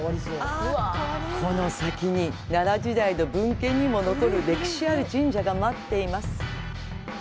この先に奈良時代の文献にも残る歴史ある神社が待っています。